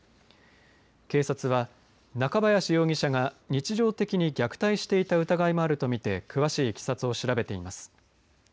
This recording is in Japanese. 警察は、中林容疑者が日常的に虐待していた疑いがあると見て詳しいいきさつを調べています。